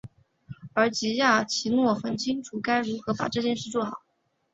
而吉亚奇诺很清楚该如何把这件事做好。